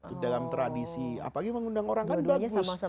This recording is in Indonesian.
itu dalam tradisi apalagi mengundang orang kan bagus